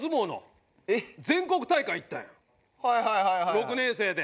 ６年生で。